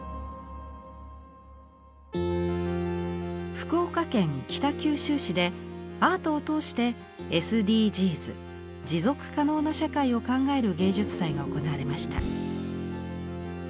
福岡県北九州市でアートを通してＳＤＧｓ持続可能な社会を考える芸術祭が行われました。